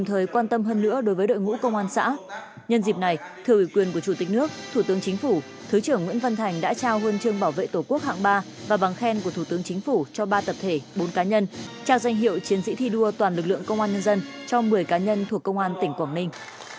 thứ trưởng nguyễn văn thành đã trao huân chương bảo vệ tổ quốc hạng ba và bằng khen của thứ trưởng chính phủ cho ba tập thể bốn cá nhân trao danh hiệu chiến sĩ thi đua toàn lực lượng công an nhân dân cho một mươi cá nhân thuộc công an tỉnh quảng ninh